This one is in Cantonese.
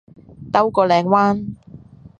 兜個靚彎